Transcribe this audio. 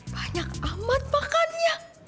banyak amat makannya